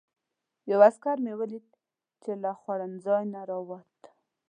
یو عسکر مې ولید چې له خوړنځای نه راووت.